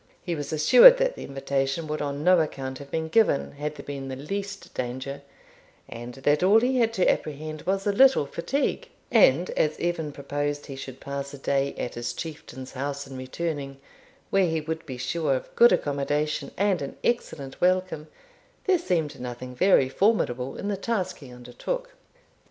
He was assured that the invitation would on no account have been given had there been the least danger, and that all he had to apprehend was a little fatigue; and, as Evan proposed he should pass a day at his Chieftain's house in returning, where he would be sure of good accommodation and an excellent welcome, there seemed nothing very formidable in the task he undertook.